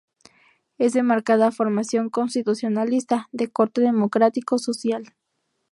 Es de marcada formación constitucionalista, de corte democrático social.